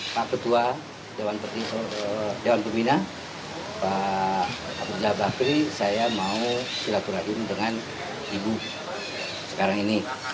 pak ketua dewan pembina pak abdullah bakri saya mau silaturahim dengan ibu sekarang ini